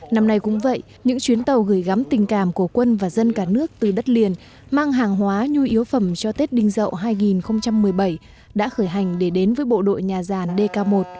năm nay cũng vậy những chuyến tàu gửi gắm tình cảm của quân và dân cả nước từ đất liền mang hàng hóa nhu yếu phẩm cho tết đinh dậu hai nghìn một mươi bảy đã khởi hành để đến với bộ đội nhà giàn dk một